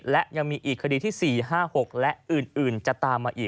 และยังมีอีกคดีที่๔๕๖และอื่นจะตามมาอีก